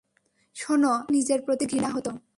শোনো, আমারো নিজের প্রতি ঘৃণা হতো।